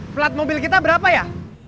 plat mobil kita berapa ya